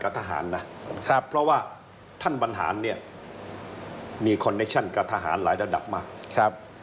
ทหารนะครับเพราะว่าท่านบรรหารเนี่ยมีคอนเนคชั่นกับทหารหลายระดับมากครับ